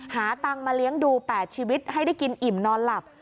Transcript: หาตังค์มาเลี้ยงดู๘ชีวิตให้ได้กินอิ่มนอนหลับ